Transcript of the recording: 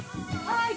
はい。